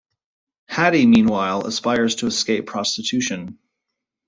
Hattie, meanwhile, aspires to escape prostitution.